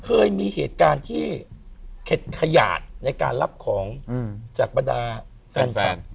เคยมีเหตุการณ์ที่เข็ดขยาดในการรับของจากบรรดาแฟน